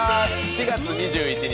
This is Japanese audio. ４月２１日